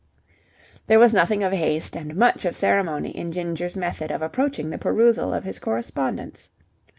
There was nothing of haste and much of ceremony in Ginger's method of approaching the perusal of his correspondence.